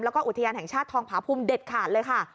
แล้วก็อุทยานแห่งชาติทองผาภูมิเด็ดขาดเลยค่ะ